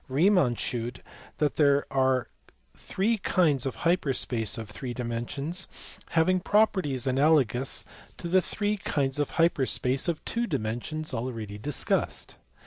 Riemann shewed that there are three kinds of hyper space of three dimensions having properties analogous to the three kinds of 468 ELLIPTIC AND ABELIAN FUNCTIONS. hyper space of two dimensions already discussed.